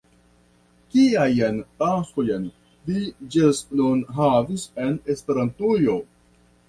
Kiajn taskojn vi ĝis nun havis en Esperantujo?